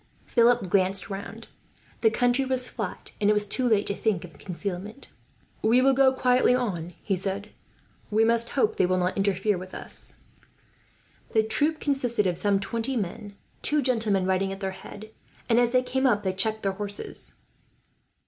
Philip glanced round. The country was flat, and it was too late to think of concealment. "We will go quietly on," he said. "We must hope they will not interfere with us." The troop consisted of some twenty men, two gentlemen riding at their head; and as they came up, they checked their horses.